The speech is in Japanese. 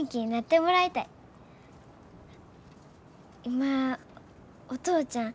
今お父ちゃん